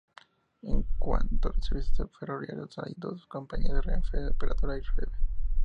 En cuanto a los servicios ferroviarios, hay dos compañías: Renfe Operadora y Feve.